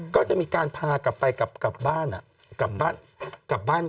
ก็จะมีการพากลับไปกลับบ้าน